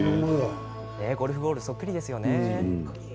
ゴルフボールみたいですよね。